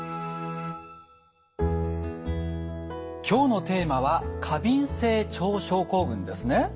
今日のテーマは過敏性腸症候群ですね。